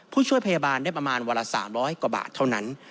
ผู้ช่วยพยาบาลได้ประมาณวันละ๓๐๐กว่าบาทเท่านั้น